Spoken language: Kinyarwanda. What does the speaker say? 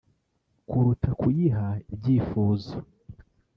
kuruta kuyiha ibyifuzo